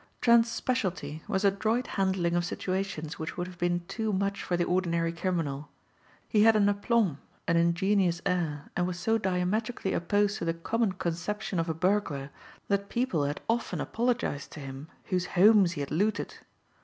Trent's specialty was adroit handling of situations which would have been too much for the ordinary criminal. He had an aplomb, an ingenuous air, and was so diametrically opposed to the common conception of a burglar that people had often apologized to him whose homes he had looted.